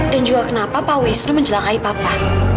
dan juga kenapa pak wisnu menjelangkai papa